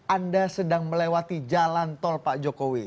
anda sedang melewati jalan tol pak jokowi